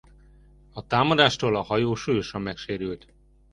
A támadástól a hajó súlyosan megsérül.